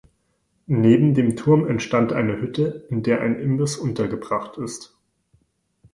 Neben dem Turm entstand eine Hütte, in der ein Imbiss untergebracht ist.